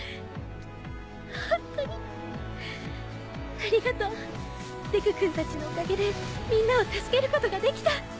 ありがとうデク君たちのおかげでみんなを助けることができた。